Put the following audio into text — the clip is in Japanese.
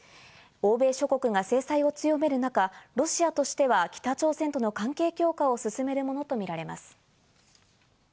欧米諸国が制裁を強める中、ロシアとしては北朝鮮との関係強化を進めるものと見られます。